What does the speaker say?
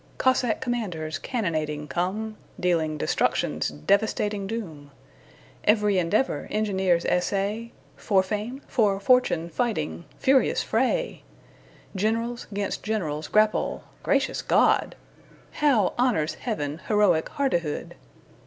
Cossack commanders cannonading come, Dealing destruction's devastating doom. Every endeavor engineers essay, For fame, for fortune fighting furious fray! Generals 'gainst generals grapple gracious God! How honors Heaven heroic hardihood!